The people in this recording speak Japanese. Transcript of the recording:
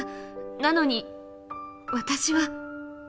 なのに私は。